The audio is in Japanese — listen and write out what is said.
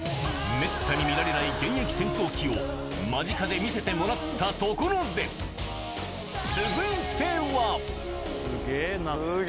めったに見られない現役戦闘機を間近で見せてもらったところですげぇ！